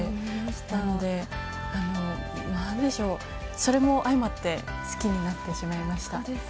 なので、それも相まって好きになってしまいました。